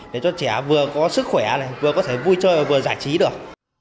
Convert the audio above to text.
để cho trẻ vừa có sức khỏe vừa có thể vui chơi và vừa giải trí được